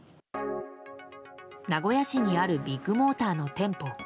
名古屋市にあるビッグモーターの店舗。